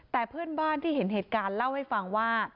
แต่เพื่อนบ้านที่เห็นเหตุการณ์เล่าให้ฟังว่า